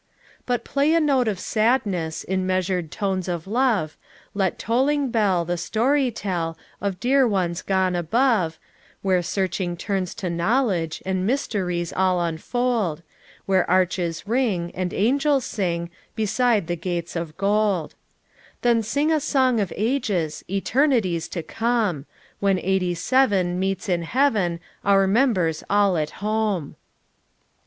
"But play a note of sadness, In measured tones of love; Let tolling bell the story tell Of dear ones gone above, it Where searching turns to knowledge And mysteries all unfold ; Where arches ring, and angels sing Beside the gates of gold, "Then sing a song of ages! Eternities to come! When Eighty seven meets in heaven, Our members all at home."